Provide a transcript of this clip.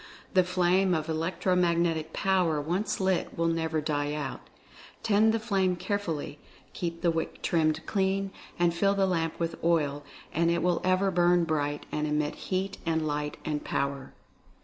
The flame of Electro Magnetic Power once lit will never die out — tend the flame carefully, keep the wick trimmed clean, and fill the lamp with oil, and it will ever burn bright and emit heat and light and Power.